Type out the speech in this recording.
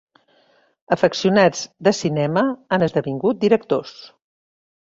Afeccionats de cinema, han esdevingut directors.